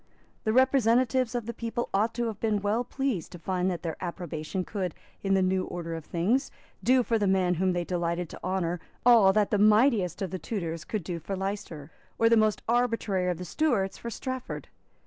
The representatives of the people ought to have been well pleased to find that their approbation could, in the new order of things, do for the man whom they delighted to honour all that the mightiest of the Tudors could do for Leicester, or the most arbitrary of the Stuarts for Strafford.